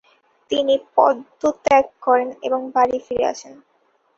তিনি পদত্যাগ করেন এবং বাড়ি ফিরে আসেন।